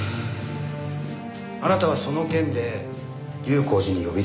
あなたはその件で龍口寺に呼び出された。